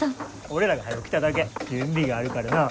俺らがはよ来ただけ。準備があるからな。